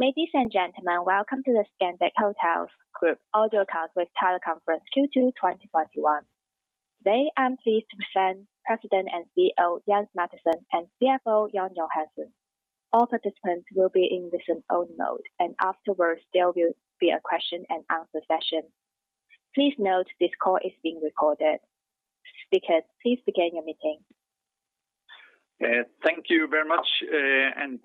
Ladies and gentlemen, welcome to the Scandic Hotels Group audio conference with teleconference Q2 2021. Today, I'm pleased to present President and CEO, Jens Mathiesen, and CFO, Jan Johansson. All participants will be in listen-only mode, and afterwards there will be a question and answer session. Please note this call is being recorded. Speakers, please begin your meeting. Thank you very much.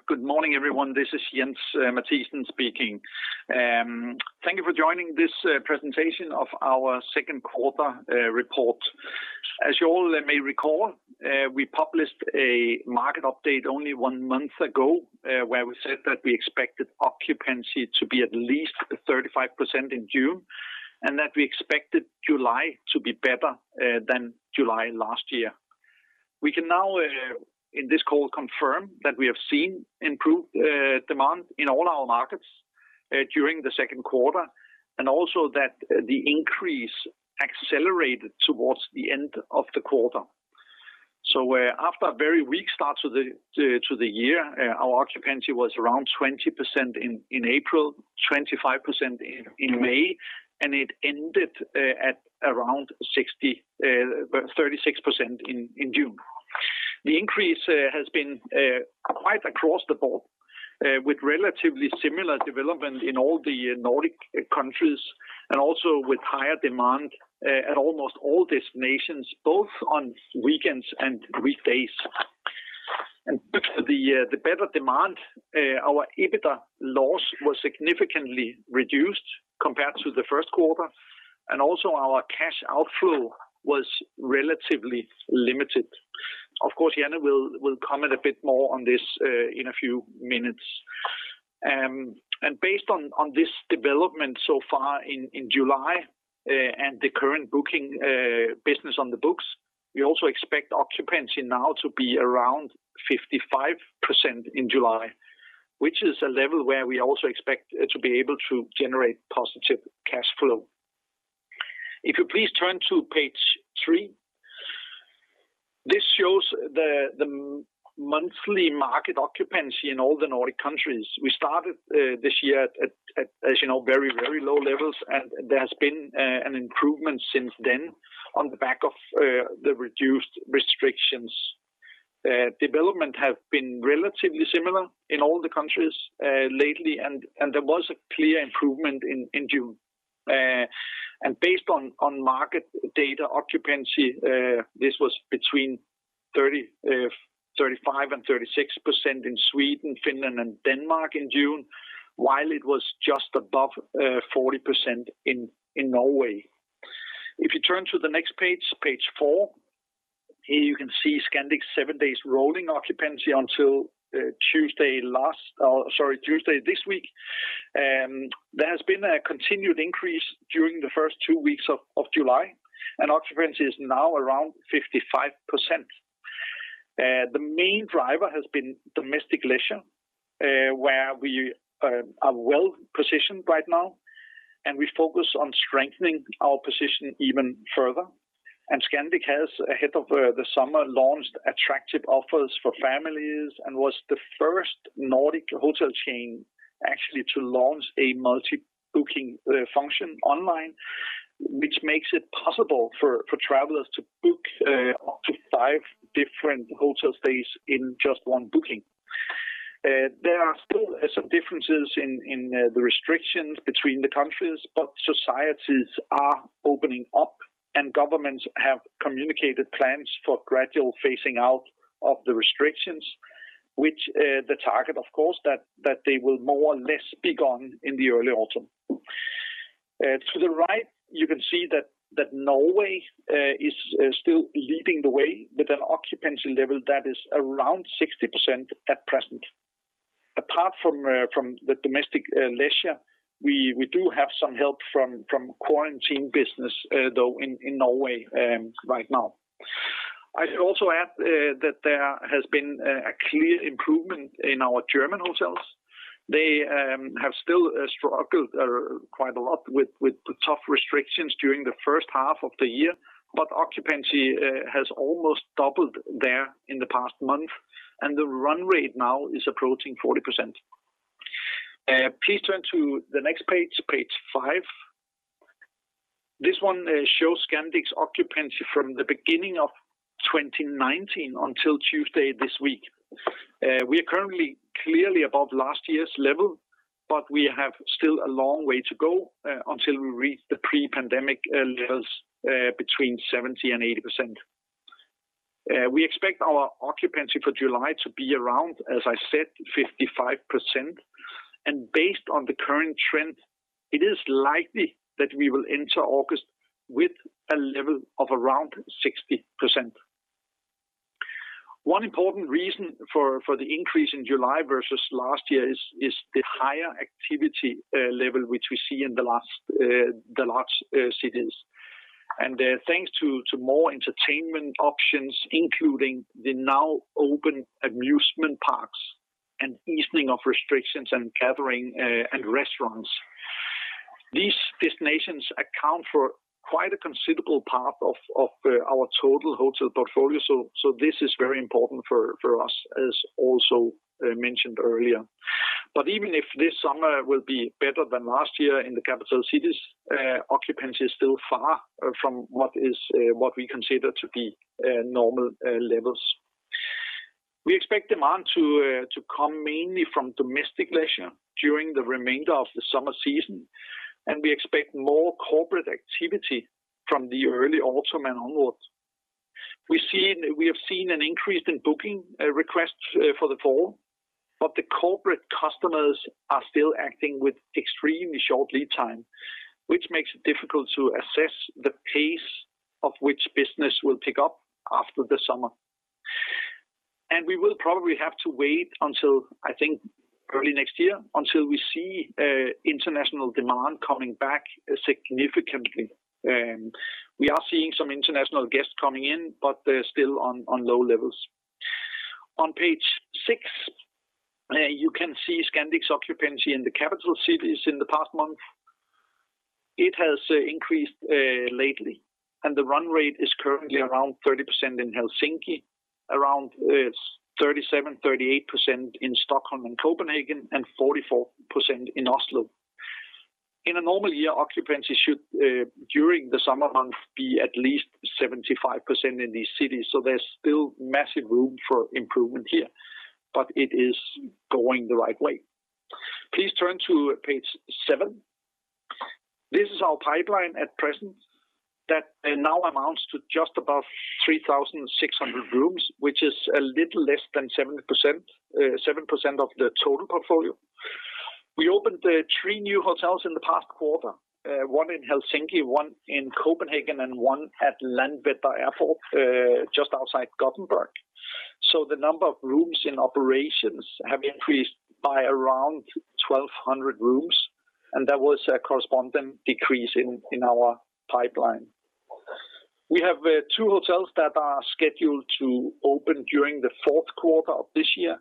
Good morning, everyone. This is Jens Mathiesen speaking. Thank you for joining this presentation of our second quarter report. As you all may recall, we published a market update only one month ago, where we said that we expected occupancy to be at least 35% in June, and that we expected July to be better than July last year. We can now, in this call, confirm that we have seen improved demand in all our markets during the second quarter, and also that the increase accelerated towards the end of the quarter. After a very weak start to the year, our occupancy was around 20% in April, 25% in May, and it ended at around 36% in June. The increase has been quite across the board, with relatively similar development in all the Nordic countries, also with higher demand at almost all destinations, both on weekends and weekdays. With the better demand, our EBITDA loss was significantly reduced compared to the first quarter, also our cash outflow was relatively limited. Of course, Jan will comment a bit more on this in a few minutes. Based on this development so far in July and the current booking business on the books, we also expect occupancy now to be around 55% in July, which is a level where we also expect to be able to generate positive cash flow. If you please turn to page three. This shows the monthly market occupancy in all the Nordic countries. We started this year at, as you know, very low levels, and there has been an improvement since then on the back of the reduced restrictions. Development has been relatively similar in all the countries lately, and there was a clear improvement in June. Based on market data occupancy, this was between 35%-36% in Sweden, Finland, and Denmark in June, while it was just above 40% in Norway. If you turn to the next page four, here you can see Scandic's seven days rolling occupancy until Tuesday this week. There has been a continued increase during the first two weeks of July, and occupancy is now around 55%. The main driver has been domestic leisure, where we are well-positioned right now, and we focus on strengthening our position even further. Scandic has, ahead of the summer, launched attractive offers for families and was the first Nordic hotel chain actually to launch a multi-booking function online, which makes it possible for travelers to book up to five different hotel stays in just one booking. There are still some differences in the restrictions between the countries, but societies are opening up, and governments have communicated plans for gradual phasing out of the restrictions, which the target, of course, that they will more or less be gone in the early autumn. To the right, you can see that Norway is still leading the way with an occupancy level that is around 60% at present. Apart from the domestic leisure, we do have some help from quarantine business, though, in Norway right now. I should also add that there has been a clear improvement in our German hotels. They have still struggled quite a lot with the tough restrictions during the first half of the year, occupancy has almost doubled there in the past month, and the run rate now is approaching 40%. Please turn to the next page five. This one shows Scandic's occupancy from the beginning of 2019 until Tuesday this week. We are currently clearly above last year's level, but we have still a long way to go until we reach the pre-pandemic levels, between 70% and 80%. We expect our occupancy for July to be around, as I said, 55%, and based on the current trend, it is likely that we will enter August with a level of around 60%. One important reason for the increase in July versus last year is the higher activity level, which we see in the large cities. Thanks to more entertainment options, including the now open amusement parks and easing of restrictions and gathering and restaurants. These destinations account for quite a considerable part of our total hotel portfolio. This is very important for us, as also mentioned earlier. Even if this summer will be better than last year in the capital cities, occupancy is still far from what we consider to be normal levels. We expect demand to come mainly from domestic leisure during the remainder of the summer season, and we expect more corporate activity from the early autumn and onwards. We have seen an increase in booking requests for the fall, but the corporate customers are still acting with extremely short lead time, which makes it difficult to assess the pace of which business will pick up after the summer. We will probably have to wait until, I think, early next year until we see international demand coming back significantly. We are seeing some international guests coming in, but they're still on low levels. On page six, you can see Scandic's occupancy in the capital cities in the past month. It has increased lately, and the run rate is currently around 30% in Helsinki, around 37%-38% in Stockholm and Copenhagen, and 44% in Oslo. In a normal year, occupancy should, during the summer months, be at least 75% in these cities. There's still massive room for improvement here, but it is going the right way. Please turn to page seven. This is our pipeline at present that now amounts to just above 3,600 rooms, which is a little less than 7% of the total portfolio. We opened three new hotels in the past quarter, one in Helsinki, one in Copenhagen, and 1 at Landvetter Airport, just outside Göteborg. The number of rooms in operations have increased by around 1,200 rooms, and there was a corresponding decrease in our pipeline. We have two hotels that are scheduled to open during the fourth quarter of this year,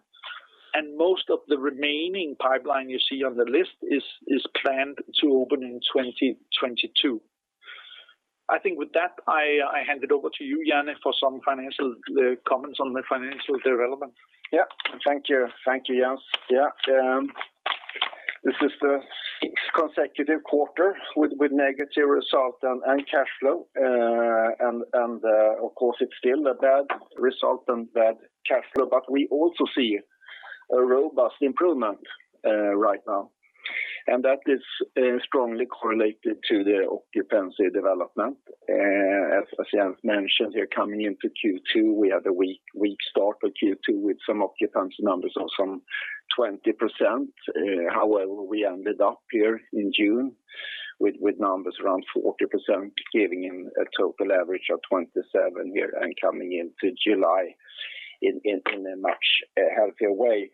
and most of the remaining pipeline you see on the list is planned to open in 2022. I think with that, I hand it over to you, Jan, for some comments on the financial development. Yeah. Thank you, Jens. Yeah. This is the sixth consecutive quarter with negative result and cash flow. Of course, it's still a bad result and bad cash flow. We also see a robust improvement right now, and that is strongly correlated to the occupancy development. As Jens mentioned here, coming into Q2, we had a weak start for Q2 with some occupancy numbers of some 20%. We ended up here in June with numbers around 40%, giving him a total average of 27% here and coming into July in a much healthier way.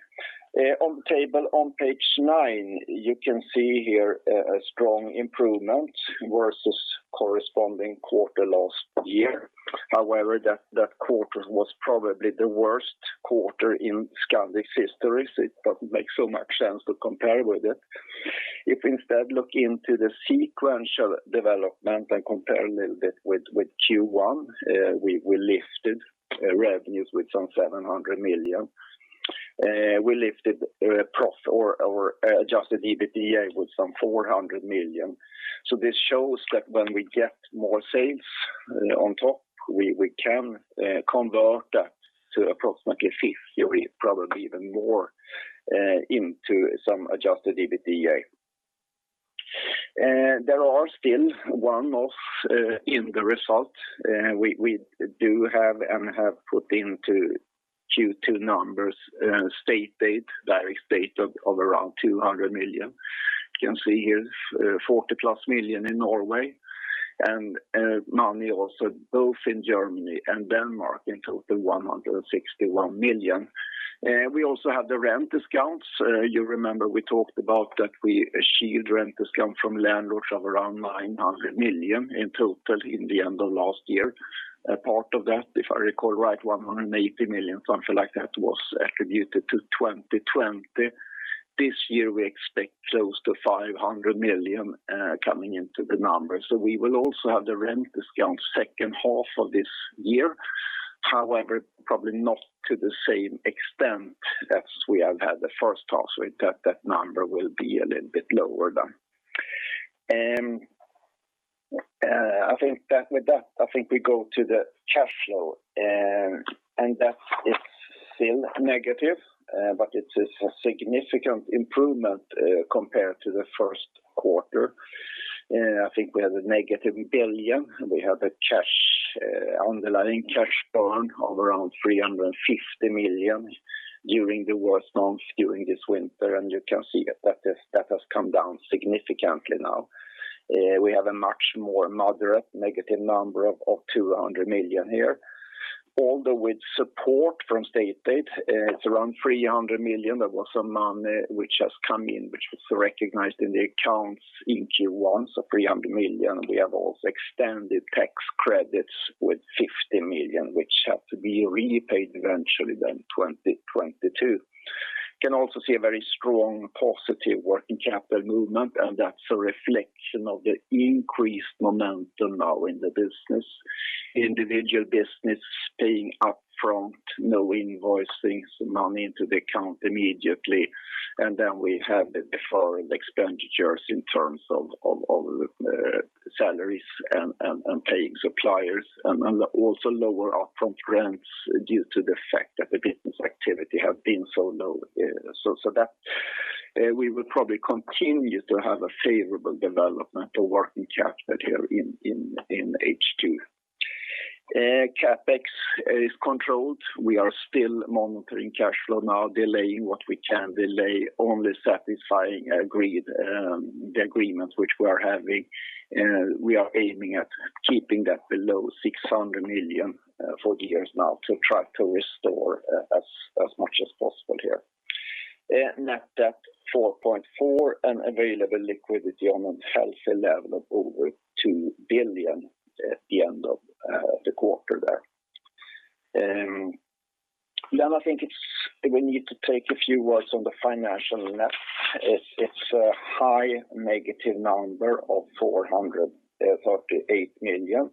On page nine, you can see here a strong improvement versus corresponding quarter last year. That quarter was probably the worst quarter in Scandic's history, so it doesn't make so much sense to compare with it. If we instead look into the sequential development and compare a little bit with Q1, we lifted revenues with some 700 million. We lifted profit or adjusted EBITDA with some 400 million. This shows that when we get more sales on top, we can convert that to approximately 50%, probably even more, into some adjusted EBITDA. There are still one-off in the result. We do have and have put into Q2 numbers state aid, direct aid of around 200 million. You can see here 40+ million in Norway and money also both in Germany and Denmark, in total, 161 million. We also have the rent discounts. You remember we talked about that we achieved rent discount from landlords of around 900 million in total in the end of last year. Part of that, if I recall right, 180 million, something like that, was attributed to 2020. This year, we expect close to 500 million coming into the numbers. We will also have the rent discount second half of this year. However, probably not to the same extent as we have had the first half, so that number will be a little bit lower then. With that, I think we go to the cash flow, and that is still negative. It is a significant improvement compared to the first quarter. I think we had a negative 1 billion. We had a underlying cash burn of around 350 million during the worst months during this winter, and you can see that that has come down significantly now. We have a much more moderate negative number of 200 million here. Although with support from state aid, it's around 300 million. That was a money which has come in, which was recognized in the accounts in Q1, so 300 million. We have also extended tax credits with 50 million, which have to be repaid eventually then 2022. We can also see a very strong positive working capital movement. That's a reflection of the increased momentum now in the business. Individual business paying up front, no invoicing, money into the account immediately. Then we have the deferred expenditures in terms of all the salaries and paying suppliers and also lower upfront rents due to the fact that the business activity have been so low. That we will probably continue to have a favorable development of working capital here in H2. CapEx is controlled. We are still monitoring cash flow now, delaying what we can delay, only satisfying the agreements which we are having. We are aiming at keeping that below 600 million for the years now to try to restore as much as possible here. Net debt 4.4 billion and available liquidity on a healthy level of over 2 billion at the end of the quarter there. I think we need to take a few words on the financial net. It's a high negative number of 438 million.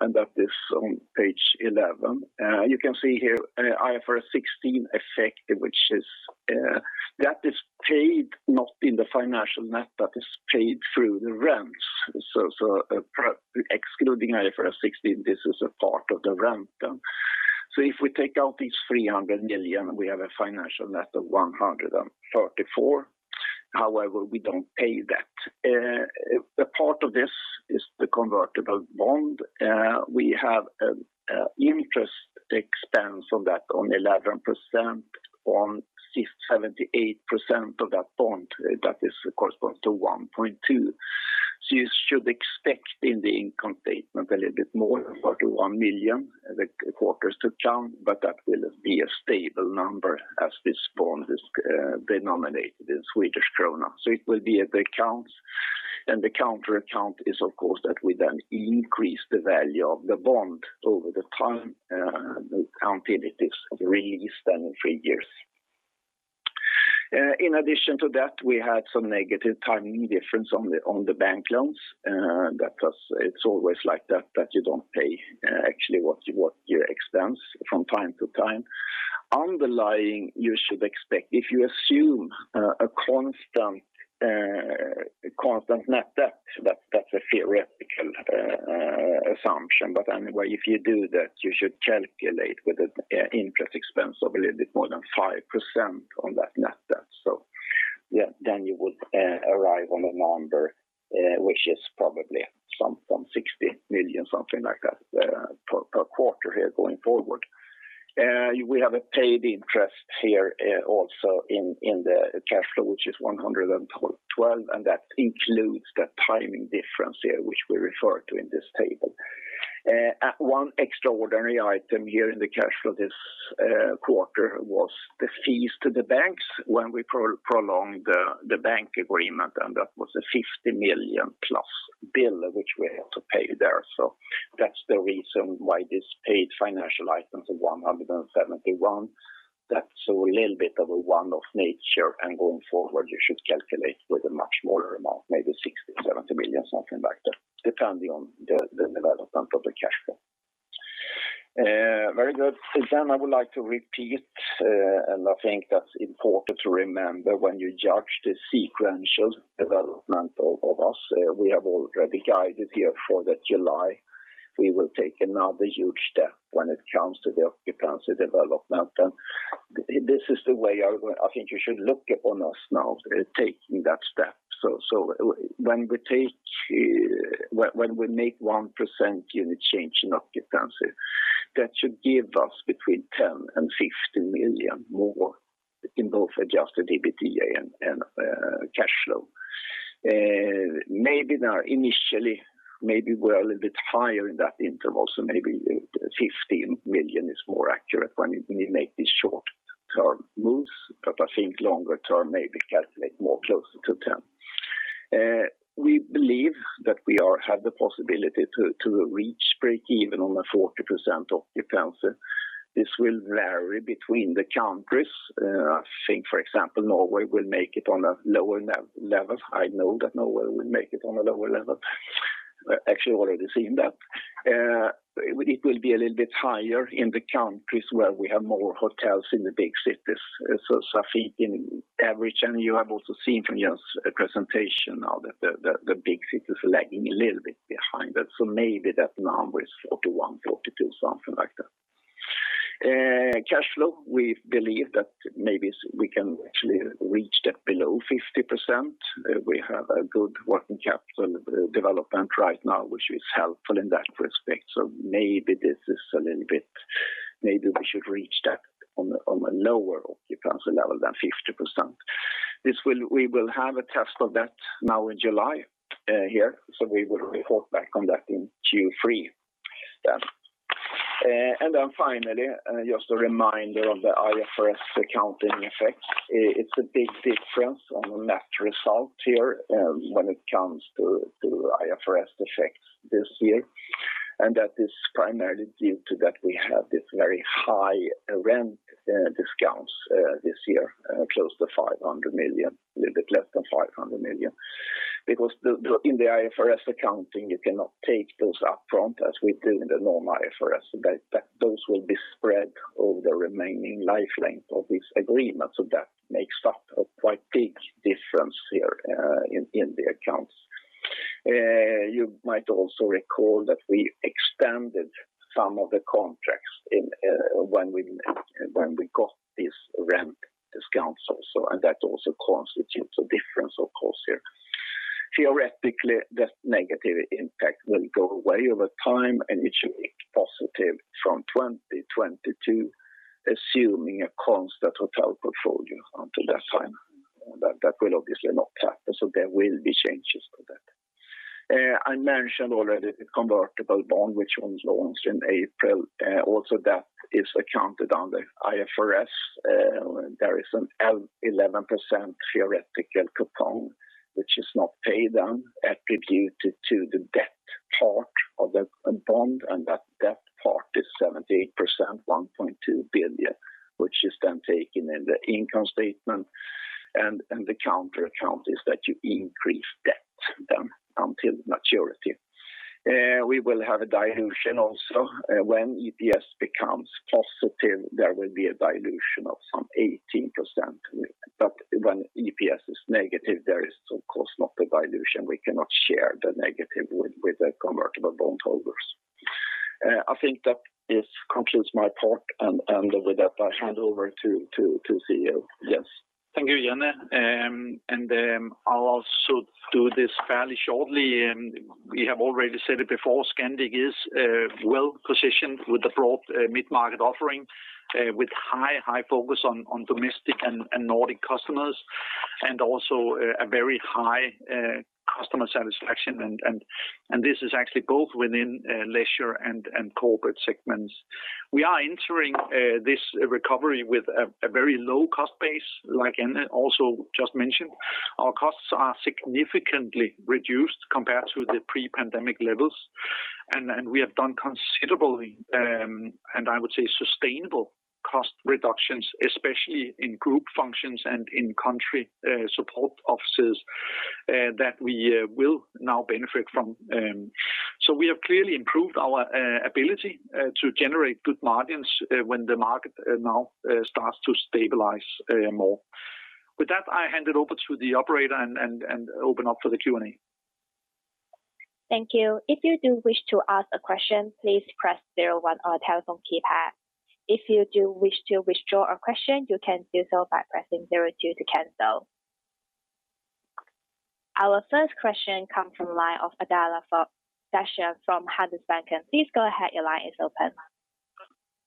That is on page 11. You can see here IFRS 16 effect. That is paid not in the financial net, but is paid through the rents. Excluding IFRS 16, this is a part of the rent. If we take out these 300 million, we have a financial net of 134 million. We don't pay that. A part of this is the convertible bond. We have an interest expense on that on 11% on 78% of that bond. That is corresponds to 1.2. You should expect in the income statement a little bit more, 41 million, the quarters to come, that will be a stable number as this bond is denominated in Swedish krona. It will be at the accounts, and the counter account is of course that we then increase the value of the bond over the time until it is released in three years. In addition to that, we had some negative timing difference on the bank loans. It's always like that you don't pay actually what you expense from time to time. Underlying, you should expect, if you assume a constant net debt, that's a theoretical assumption. Anyway, if you do that, you should calculate with an interest expense of a little bit more than 5% on that net debt. You would arrive on a number which is probably some 60 million, something like that, per quarter here going forward. We have a paid interest here also in the cash flow, which is 112, and that includes the timing difference here, which we refer to in this table. One extraordinary item here in the cash flow this quarter was the fees to the banks when we prolonged the bank agreement, and that was a 50 million plus bill which we had to pay there. That's the reason why this paid financial item for 171. That's a little bit of a one-off nature, and going forward, you should calculate with a much smaller amount, maybe 60 million, 70 million, something like that, depending on the development of the cash flow. Very good. I would like to repeat, and I think that is important to remember when you judge the sequential development of us. We have already guided here for July. We will take another huge step when it comes to the occupancy development. This is the way I think you should look upon us now, taking that step. When we make 1% unit change in occupancy, that should give us between 10 million and 15 million more in both adjusted EBITDA and cash flow. Maybe initially we are a little bit higher in that interval, so maybe 15 million is more accurate when you make these short-term moves. I think longer term, maybe calculate more closer to 10 million. We believe that we have the possibility to reach break-even on a 40% occupancy. This will vary between the countries. I think, for example, Norway will make it on a lower level. I know that Norway will make it on a lower level. Actually, already seen that. It will be a little bit higher in the countries where we have more hotels in the big cities. I think on average, and you have also seen from Jens' presentation now that the big cities lagging a little bit behind. Maybe that number is 41, 42, something like that. Cash flow, we believe that maybe we can actually reach that below 50%. We have a good working capital development right now, which is helpful in that respect. Maybe we should reach that on a lower occupancy level than 50%. We will have a test of that now in July here. We will report back on that in Q3. Finally, just a reminder on the IFRS accounting effect. It's a big difference on the net result here when it comes to IFRS effects this year. That is primarily due to that we have this very high rent discounts this year, close to 500 million, a little bit less than 500 million. In the IFRS accounting, you cannot take those upfront as we do in the normal IFRS. Those will be spread over the remaining life length of these agreements. That makes up a quite big difference here in the accounts. You might also recall that we extended some of the contracts when we got these rent discounts also, and that also constitutes a difference, of course, here. Theoretically, that negative impact will go away over time, and it should be positive from 2022, assuming a constant hotel portfolio until that time. That will obviously not happen, so there will be changes to that. I mentioned already the convertible bond, which was launched in April. That is accounted under IFRS. There is an 11% theoretical coupon, which is not paid down attributed to the debt part of the bond, and that debt part is 78%, 1.2 billion, which is then taken in the income statement, and the counter account is that you increase debt then until maturity. We will have a dilution also. When EPS becomes positive, there will be a dilution of some 18%, but when EPS is negative, there is, of course, not a dilution. We cannot share the negative with the convertible bondholders. I think that this concludes my part, and with that, I hand over to CEO. Yes. Thank you, Jan. I'll also do this fairly shortly. We have already said it before, Scandic is well-positioned with a broad mid-market offering, with high focus on domestic and Nordic customers, and also a very high customer satisfaction. This is actually both within leisure and corporate segments. We are entering this recovery with a very low cost base, like Jan also just mentioned. Our costs are significantly reduced compared to the pre-pandemic levels, and we have done considerable, and I would say sustainable cost reductions, especially in group functions and in-country support offices that we will now benefit from. We have clearly improved our ability to generate good margins when the market now starts to stabilize more. With that, I hand it over to the operator and open up for the Q&A. Thank you. If you do wish to ask a question, please press zero one on your telephone keypad. If you do wish to withdraw a question, you can do so by pressing zero two to cancel. Our first question comes from the line of Adela Dashian from Handelsbanken. Please go ahead. Your line is open.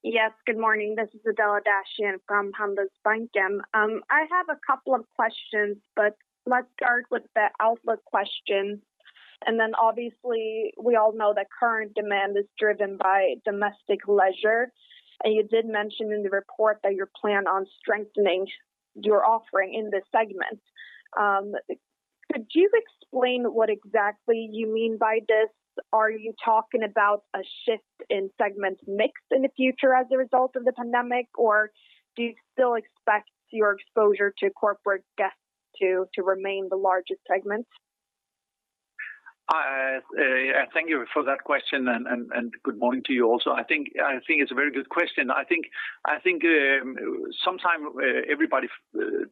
Yes, good morning. This is Adela Dashian from Handelsbanken. I have a couple of questions, but let's start with the outlook question. Obviously, we all know that current demand is driven by domestic leisure, and you did mention in the report that you plan on strengthening your offering in this segment. Could you explain what exactly you mean by this? Are you talking about a shift in segment mix in the future as a result of the pandemic, or do you still expect your exposure to corporate guests to remain the largest segment? Thank you for that question, and good morning to you also. I think it's a very good question. I think sometime everybody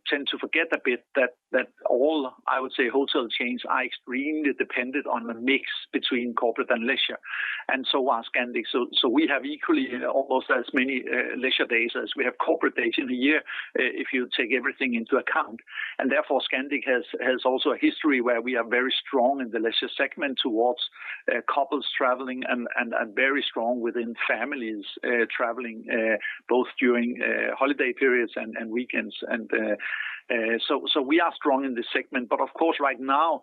tends to forget a bit that all, I would say, hotel chains are extremely dependent on the mix between corporate and leisure, so is Scandic. We have equally almost as many leisure days as we have corporate days in a year if you take everything into account. Therefore, Scandic has also a history where we are very strong in the leisure segment towards couples traveling and very strong within families traveling, both during holiday periods and weekends. We are strong in this segment. Of course, right now,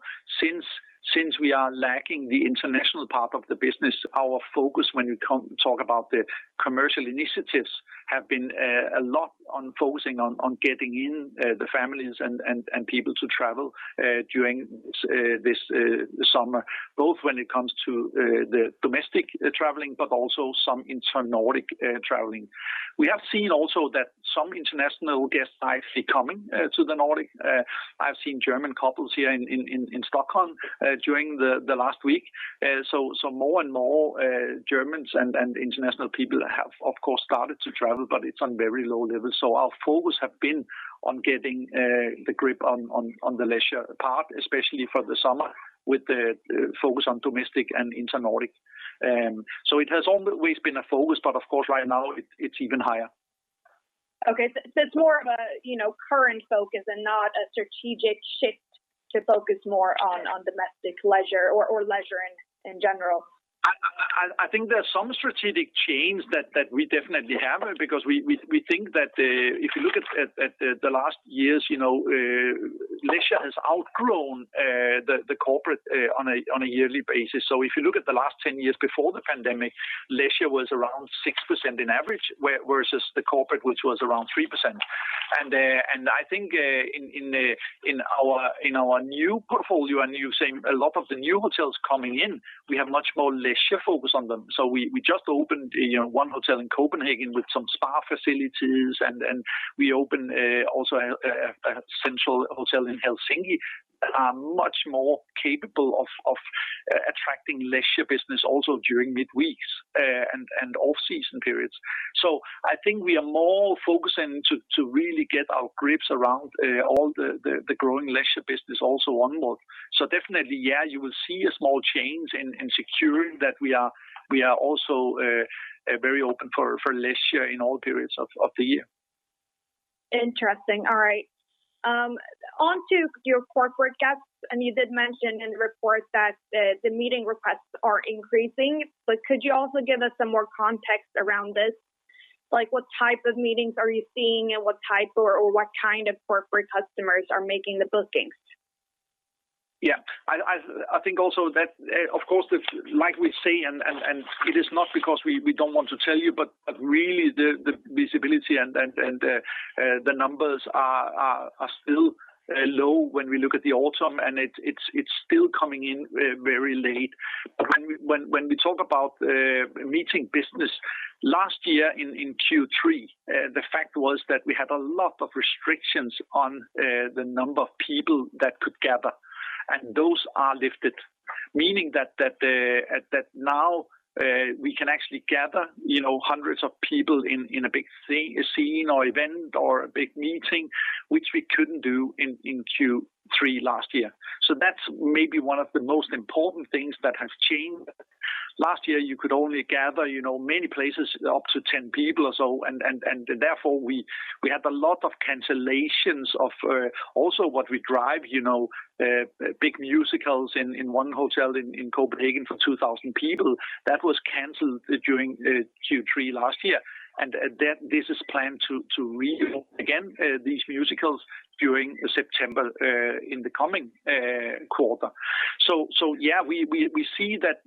since we are lacking the international part of the business, our focus when we talk about the commercial initiatives have been a lot on focusing on getting in the families and people to travel during this summer, both when it comes to the domestic traveling, but also some inter-Nordic traveling. We have seen also that some international guests are actually coming to the Nordic. I've seen German couples here in Stockholm during the last week. More and more Germans and international people have, of course, started to travel, but it's on very low levels. Our focus has been on getting the grip on the leisure part, especially for the summer, with the focus on domestic and inter-Nordic. It has always been a focus, but of course, right now it's even higher. Okay, it's more of a current focus and not a strategic shift to focus more on domestic leisure or leisure in general. I think there's some strategic change that we definitely have because we think that if you look at the last years, leisure has outgrown the corporate on a yearly basis. If you look at the last 10 years before the pandemic, leisure was around 6% in average, versus the corporate, which was around 3%. I think in our new portfolio, and you've seen a lot of the new hotels coming in, we have much more leisure focus on them. We just opened one hotel in Copenhagen with some spa facilities, and we opened also a central hotel in Helsinki that are much more capable of attracting leisure business also during midweeks and off-season periods. I think we are more focusing to really get our grips around all the growing leisure business also onward. Definitely, yeah, you will see a small change in securing that we are also very open for leisure in all periods of the year. Interesting. All right. Onto your corporate guests. You did mention in the report that the meeting requests are increasing. Could you also give us some more context around this? What type of meetings are you seeing and what type or what kind of corporate customers are making the bookings? Yeah. I think also that, of course, like we say, and it is not because we don't want to tell you, but really the visibility and the numbers are still low when we look at the autumn, and it's still coming in very late. When we talk about meeting business, last year in Q3, the fact was that we had a lot of restrictions on the number of people that could gather. Those are lifted, meaning that now we can actually gather hundreds of people in a big scene or event or a big meeting, which we couldn't do in Q3 last year. That's maybe one of the most important things that has changed. Last year, you could only gather, many places, up to 10 people or so, and therefore we had a lot of cancellations of also what we drive. Big musicals in one hotel in Copenhagen for 2,000 people, that was canceled during Q3 last year. This is planned to renew again, these musicals, during September in the coming quarter. Yeah, we see that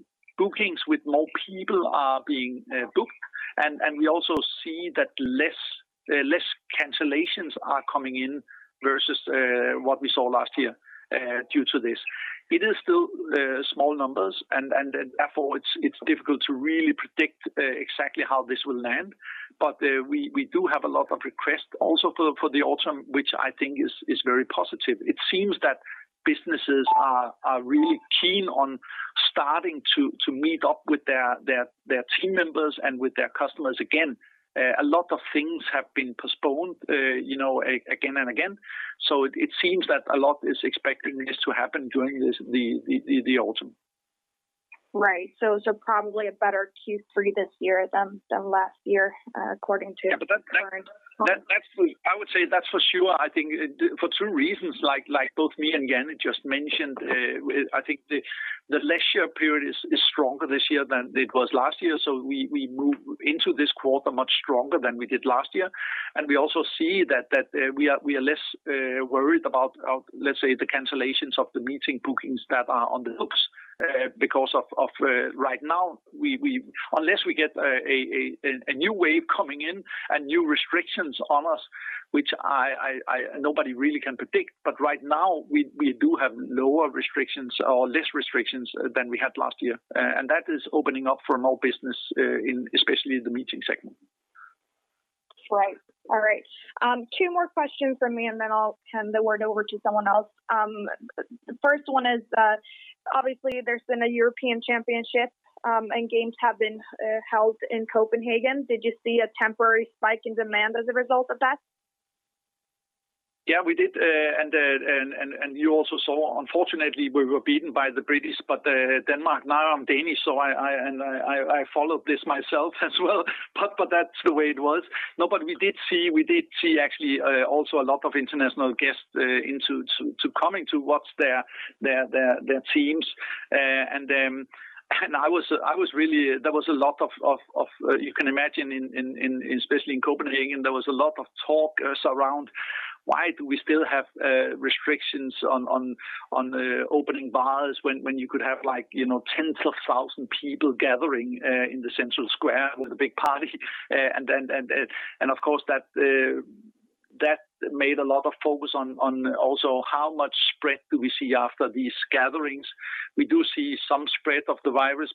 bookings with more people are being booked, and we also see that less cancellations are coming in versus what we saw last year due to this. It is still small numbers, and therefore it's difficult to really predict exactly how this will land. We do have a lot of requests also for the autumn, which I think is very positive. It seems that businesses are really keen on starting to meet up with their team members and with their customers again. A lot of things have been postponed again and again. It seems that a lot is expecting this to happen during the autumn. Right. probably a better Q3 this year than last year, according to. Yeah. Current plans. I would say that's for sure. I think for two reasons, like both me and Jan just mentioned, I think the leisure period is stronger this year than it was last year, so we move into this quarter much stronger than we did last year. We also see that we are less worried about, let's say, the cancellations of the meeting bookings that are on the hooks, because of right now, unless we get a new wave coming in and new restrictions on us, which nobody really can predict, but right now we do have lower restrictions or less restrictions than we had last year. That is opening up for more business in especially the meeting segment. Right. All right. Two more questions from me, then I'll hand the word over to someone else. The first one is, obviously there's been a European Championship, and games have been held in Copenhagen. Did you see a temporary spike in demand as a result of that? Yeah, we did. You also saw, unfortunately, we were beaten by the British, but Denmark, now I'm Danish, so I followed this myself as well, but that's the way it was. We did see actually also a lot of international guests coming to watch their teams. There was a lot of, you can imagine, especially in Copenhagen, there was a lot of talk around why do we still have restrictions on opening bars when you could have tens of thousands people gathering in the central square with a big party? Of course, that made a lot of focus on also how much spread do we see after these gatherings. We do see some spread of the virus.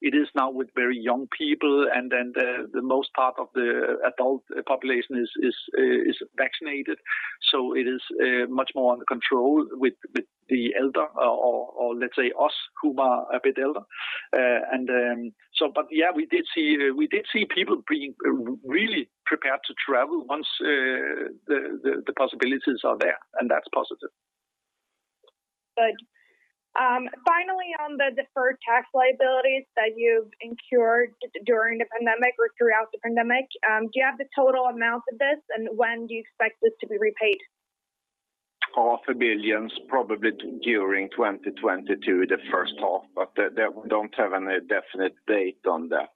It is now with very young people. The most part of the adult population is vaccinated. It is much more under control with the elder or let's say us, who are a bit elder. Yeah, we did see people being really prepared to travel once the possibilities are there, and that's positive. Good. Finally, on the deferred tax liabilities that you've incurred during the pandemic or throughout the pandemic, do you have the total amount of this, and when do you expect this to be repaid? Half a billion, probably during 2022, the first half, but we don't have any definite date on that.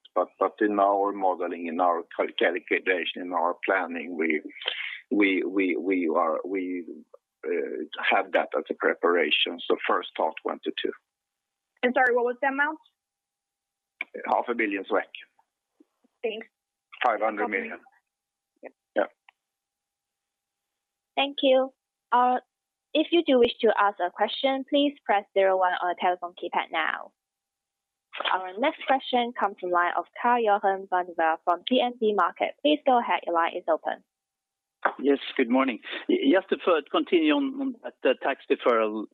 In our modeling, in our calculation, in our planning, we have that as a preparation, so first half 2022. Sorry, what was the amount? Half a billion SEK. Thanks. 500 million. Yep. Thank you. Our next question comes from the line of Karl-Johan Bonnevier from DNB Markets. Yes, good morning. Just to continue on that tax deferral,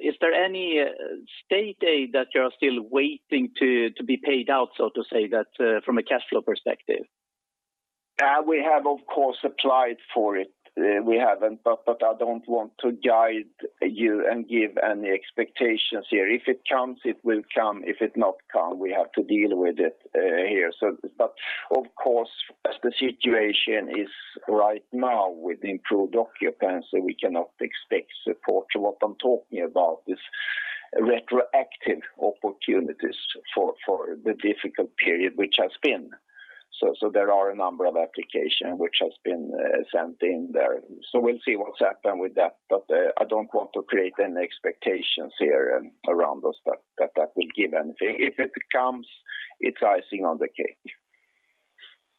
is there any state aid that you are still waiting to be paid out, so to say, from a cash flow perspective? We have, of course, applied for it. We haven't, but I don't want to guide you and give any expectations here. If it comes, it will come. If it not come, we have to deal with it here. Of course, as the situation is right now with improved occupancy, we cannot expect support. What I'm talking about is retroactive opportunities for the difficult period which has been. There are a number of application which has been sent in there. We'll see what's happened with that. I don't want to create any expectations here around those that will give anything. If it comes, it's icing on the cake.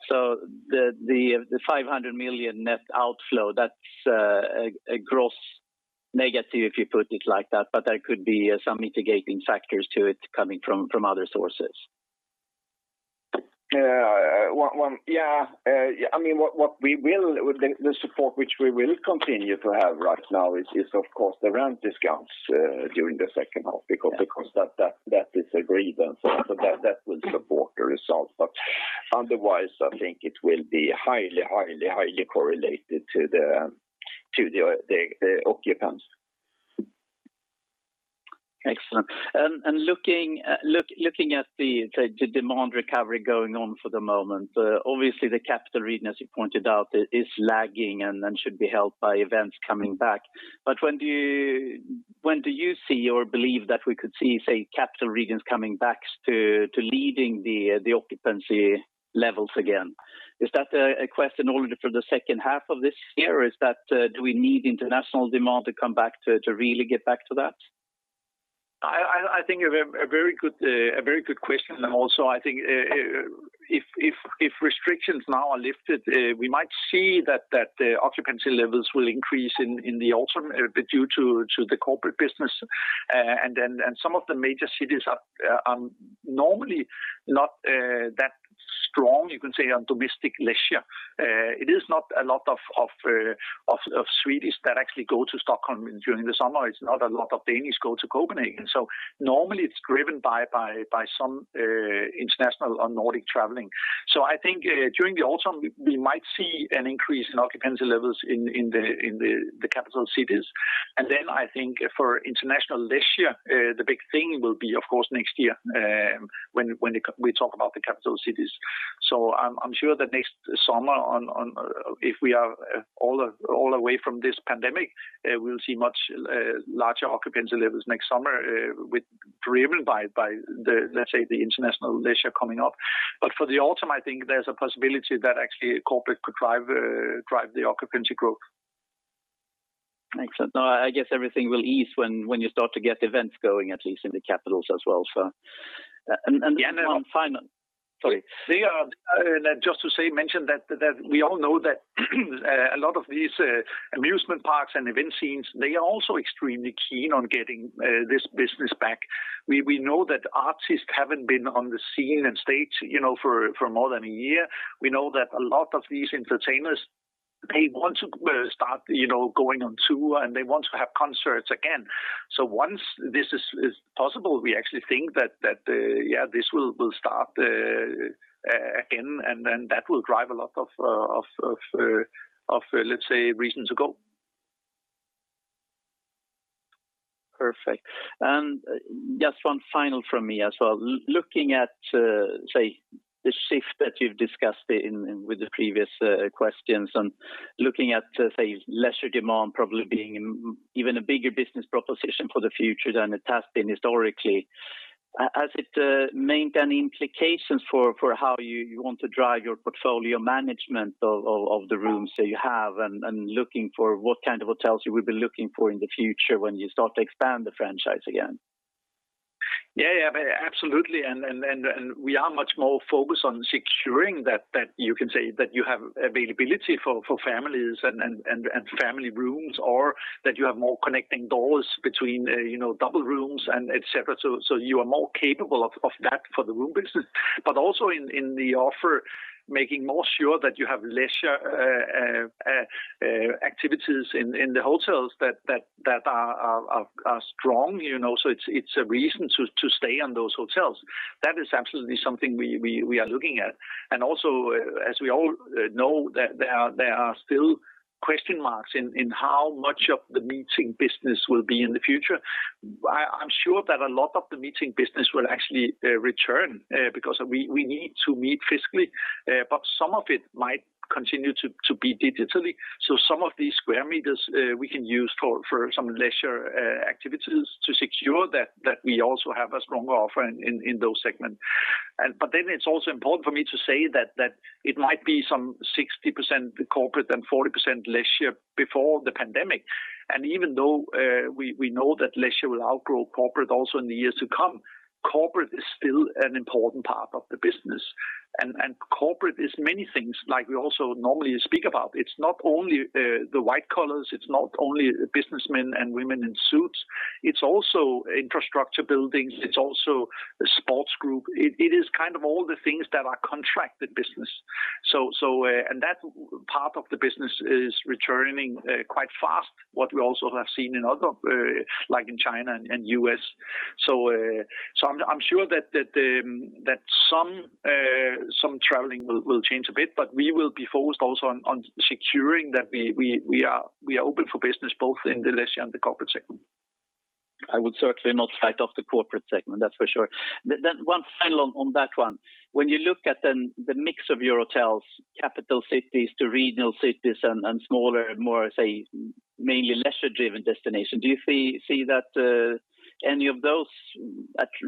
The 500 million net outflow, that's a gross negative, if you put it like that, but there could be some mitigating factors to it coming from other sources. Yeah. The support which we will continue to have right now is, of course, the rent discounts during the second half, because that is agreed, and so that will support the results. Otherwise, I think it will be highly, highly correlated to the occupancy. Excellent. Looking at the demand recovery going on for the moment, obviously the capital region, as you pointed out, is lagging and should be helped by events coming back. When do you see or believe that we could see, say, capital regions coming back to leading the occupancy levels again? Is that a question only for the second half of this year? Do we need international demand to come back to really get back to that? I think a very good question. Also, I think if restrictions now are lifted, we might see that the occupancy levels will increase in the autumn due to the corporate business. Some of the major cities are normally not that strong, you can say, on domestic leisure. It is not a lot of Swedes that actually go to Stockholm during the summer. It's not a lot of Danes go to Copenhagen. Normally it's driven by some international or Nordic traveling. I think, during the autumn, we might see an increase in occupancy levels in the capital cities. I think for international leisure, the big thing will be, of course, next year, when we talk about the capital cities. I'm sure that next summer, if we are all away from this pandemic, we'll see much larger occupancy levels next summer, driven by, let's say, the international leisure coming up. For the autumn, I think there's a possibility that actually corporate could drive the occupancy growth. Excellent. No, I guess everything will ease when you start to get events going, at least in the capitals as well. Sorry. Just to mention that we all know that a lot of these amusement parks and event scenes, they are also extremely keen on getting this business back. We know that artists haven't been on the scene and stage for more than a year. We know that a lot of these entertainers, they want to start going on tour, and they want to have concerts again. Once this is possible, we actually think that, yeah, this will start again, and then that will drive a lot of, let's say, reason to go. Perfect. Just one final from me as well. Looking at, say, the shift that you've discussed with the previous questions and looking at, say, leisure demand probably being even a bigger business proposition for the future than it has been historically, has it made any implications for how you want to drive your portfolio management of the rooms that you have and looking for what kind of hotels you will be looking for in the future when you start to expand the franchise again? Yeah. Absolutely. We are much more focused on securing that, you can say, that you have availability for families and family rooms, or that you have more connecting doors between double rooms and et cetera, so you are more capable of that for the room business. Also in the offer, making more sure that you have leisure activities in the hotels that are strong, so it's a reason to stay in those hotels. That is absolutely something we are looking at. Also, as we all know, there are still question marks in how much of the meeting business will be in the future. I'm sure that a lot of the meeting business will actually return, because we need to meet physically. Some of it might continue to be digitally. Some of these square meters we can use for some leisure activities to secure that we also have a strong offer in those segments. It's also important for me to say that it might be some 60% corporate and 40% leisure before the pandemic. Even though we know that leisure will outgrow corporate also in the years to come, corporate is still an important part of the business. Corporate is many things like we also normally speak about. It's not only the white collars, it's not only businessmen and women in suits, it's also infrastructure buildings. It's also a sports group. It is kind of all the things that are contracted business. That part of the business is returning quite fast, what we also have seen in other, like in China and U.S. I'm sure that some traveling will change a bit, but we will be focused also on securing that we are open for business both in the leisure and the corporate segment. I would certainly not write off the corporate segment, that's for sure. One final on that one. When you look at the mix of your hotels, capital cities to regional cities and smaller, more, say, mainly leisure-driven destinations, do you see that any of those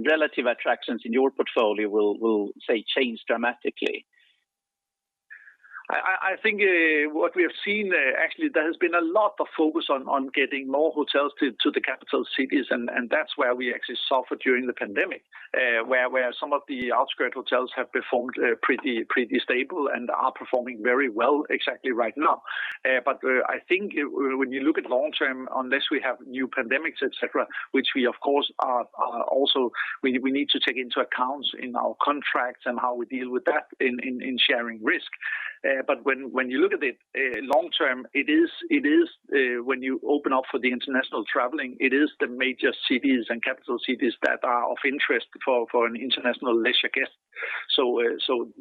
relative attractions in your portfolio will, say, change dramatically? I think what we have seen, actually, there has been a lot of focus on getting more hotels to the capital cities, and that's where we actually suffered during the pandemic, where some of the outskirt hotels have performed pretty stable and are performing very well exactly right now. I think when you look at long term, unless we have new pandemics, et cetera, which we of course, also we need to take into account in our contracts and how we deal with that in sharing risk. When you look at it long term, when you open up for the international traveling, it is the major cities and capital cities that are of interest for an international leisure guest.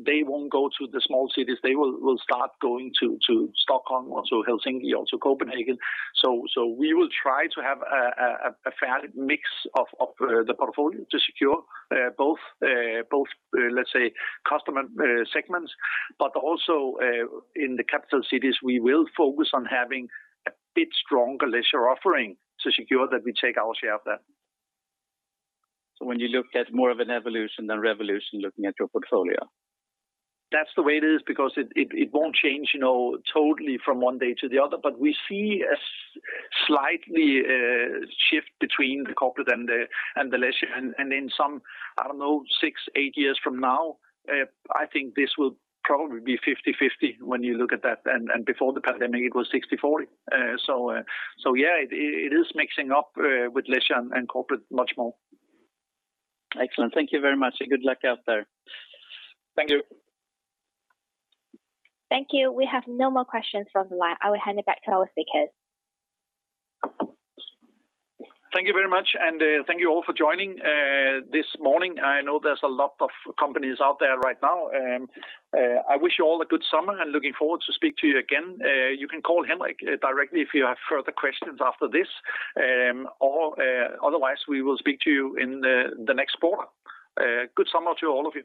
They won't go to the small cities. They will start going to Stockholm, also Helsinki, also Copenhagen. We will try to have a varied mix of the portfolio to secure both, let's say, customer segments, but also in the capital cities, we will focus on having a bit stronger leisure offering to secure that we take our share of that. When you look at more of an evolution than revolution, looking at your portfolio. That's the way it is because it won't change totally from one day to the other. We see a slight shift between the corporate and the leisure, and in some, I don't know, six, eight years from now, I think this will probably be 50/50 when you look at that. Before the pandemic, it was 60/40. Yeah, it is mixing up with leisure and corporate much more. Excellent. Thank you very much, and good luck out there. Thank you. Thank you. We have no more questions from the line. I will hand it back to our speakers. Thank you very much, and thank you all for joining this morning. I know there's a lot of companies out there right now. I wish you all a good summer and looking forward to speak to you again. You can call Henrik directly if you have further questions after this. Otherwise, we will speak to you in the next quarter. Good summer to all of you.